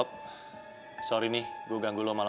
biar lu gak nyesel nanti